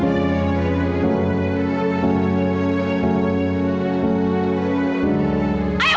ayo keluar kamu